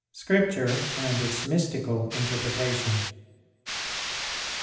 _Scripture and its Mystical Interpretation.